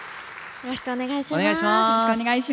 よろしくお願いします。